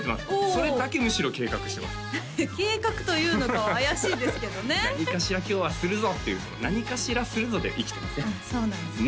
それだけむしろ計画してます計画というのかは怪しいですけどね何かしら今日はするぞっていうその何かしらするぞで生きてますねそうなんですね